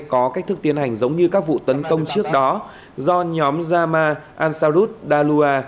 có cách thức tiến hành giống như các vụ tấn công trước đó do nhóm java ansarut daluwa